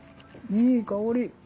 いい香り。